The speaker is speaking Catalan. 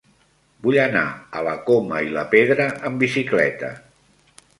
Vull anar a la Coma i la Pedra amb bicicleta.